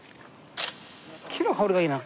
木の香りがいいな。